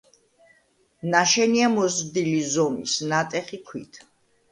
ნაშენია მოზრდილი ზომის, ნატეხი ქვით.